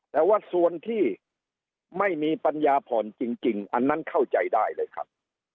แต่ว่าส่วนที่ไม่มีปัญญาผ่อนจริงอันนั้นเข้าใจได้เลยครับ